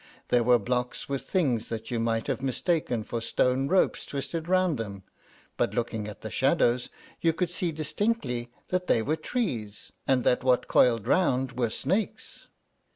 There were blocks with things that you might have mistaken for stone ropes twisted round them; but, looking at the shadows, you could see distinctly that they were trees, and that what coiled round were snakes.